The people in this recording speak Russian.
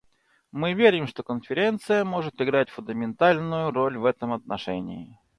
Мы верим, что Конференция может играть фундаментальную роль в этом отношении.